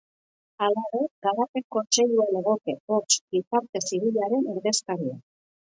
Halaber, Garapen Kontseilua legoke, hots, gizarte zibilaren ordezkariak.